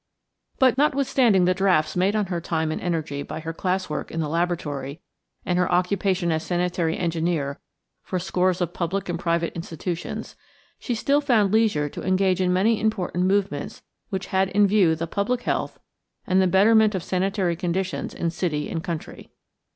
But notwithstanding the drafts made on her time and energy by her classwork in the laboratory and her occupation as sanitary engineer for scores of public and private institutions, she still found leisure to engage in many important movements which had in view the public health and the betterment of sanitary conditions in city and country.